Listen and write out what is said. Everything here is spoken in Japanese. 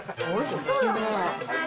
おいしそうだね